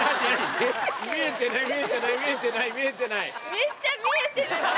めっちゃ見えてるって！